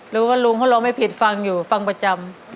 รู้ว่าลุงเขาร้องไม่ผิดฟังประจำ